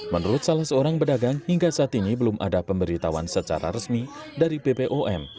menurut salah seorang pedagang hingga saat ini belum ada pemberitahuan secara resmi dari bpom